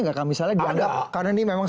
nggak kan misalnya dia nggak karena ini memang